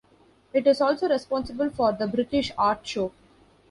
It is also responsible for the British Art Show.